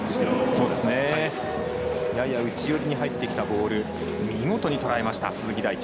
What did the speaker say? やや内寄りに入ってきたボールを見事にとらえました、鈴木大地。